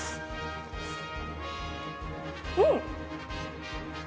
うん！